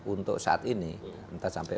untuk saat ini entah sampai